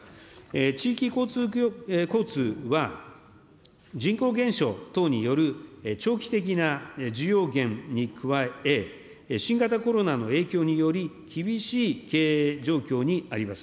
地域公共交通は、人口減少等による長期的な需要減に加え、新型コロナの影響により、厳しい経営状況にあります。